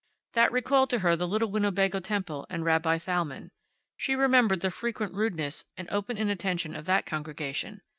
That recalled to her the little Winnebago Temple and Rabbi Thalmann. She remembered the frequent rudeness and open inattention of that congregation.